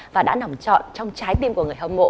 và đã nằm trọn trong trái tim của người hâm mộ